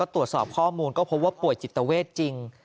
ตรวจสอบข้อมูลก็พบว่าป่วยจิตเวทจริง